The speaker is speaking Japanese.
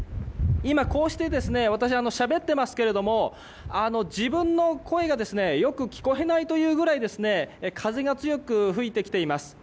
今、こうして私しゃべっていますけども自分の声がよく聞こえないというぐらい風が強く吹いてきています。